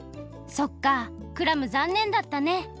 そっかクラムざんねんだったね。